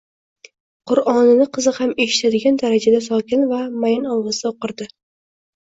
Qur'onini qizi ham eshitadigan darajada sokin va mayin ovozda o'qirdi.